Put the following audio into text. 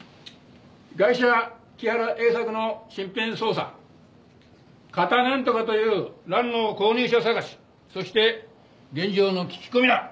ガイシャ木原栄作の身辺捜査カタなんとかという蘭の購入者探しそして現場の聞き込みだ。